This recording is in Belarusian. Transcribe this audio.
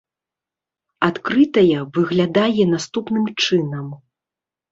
Адкрытая выглядае наступным чынам.